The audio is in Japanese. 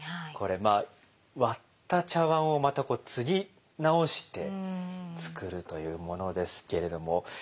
これ割った茶碗をまたつぎ直して作るというものですけれども。